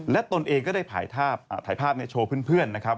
และตนเองก็ได้ถ่ายภาพโชว์เพื่อนนะครับ